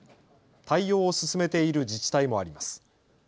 対応を進めている自治体もあります。